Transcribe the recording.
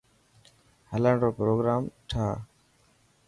هلڻ رو پروگرام ٺاهه.